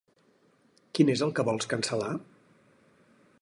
Quin és el que vols cancel·lar?